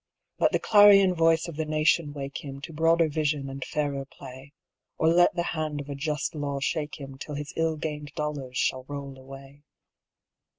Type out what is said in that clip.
Let the clarion voice of the nation wake him To broader vision and fairer play; Or let the hand of a just law shake him Till his ill gained dollars shall roll away.